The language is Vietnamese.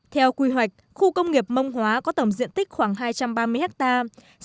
theo quy hoạch khu công nghiệp mông hóa có tổng diện tích khoảng hai trăm ba mươi hectare